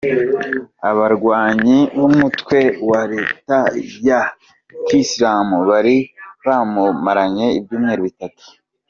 Abarwanyi b’umutwe wa leta ya kiyisilamu bari bawumaranye ibyumweru bitatu.